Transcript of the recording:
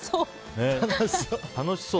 楽しそう。